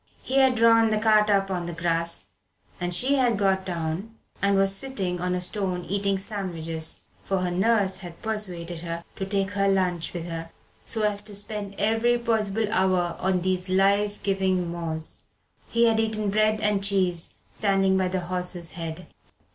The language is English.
He had drawn the cart up on the grass, and she had got down and was sitting on a stone eating sandwiches, for her nurse had persuaded her to take her lunch with her so as to spend every possible hour on these life giving moors. He had eaten bread and cheese standing by the horse's head.